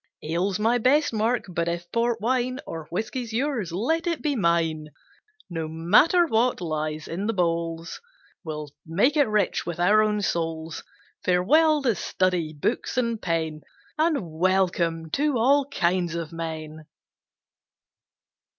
Ale's my best mark, but if port wine Or whisky's yours let it be mine; No matter what lies in the bowls, We'll make it rich with our own souls. Farewell to study, books and pen, And welcome to all kinds of men.